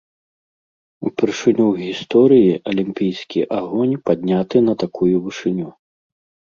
Упершыню ў гісторыі алімпійскі агонь падняты на такую вышыню.